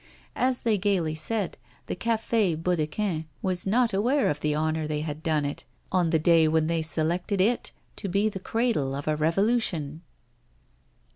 As they gaily said, the Café Baudequin was not aware of the honour they had done it on the day when they selected it to be the cradle of a revolution.